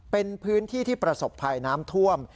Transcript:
เป็นพื้นที่ที่ประสบภัยน้ำท่วม